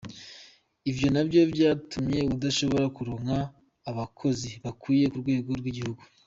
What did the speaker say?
Ivyo navyo vyatumye udashobora kuronka abakozi bakwiye ku rwego rw'igihugu.